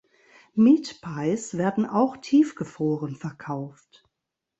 Meat Pies werden auch tiefgefroren verkauft.